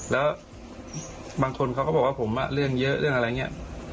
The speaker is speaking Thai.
แล้วบางคนเขาก็บอกว่าผมเรื่องเยอะเรื่องอะไรอย่างนี้